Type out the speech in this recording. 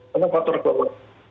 karena faktor kelelahan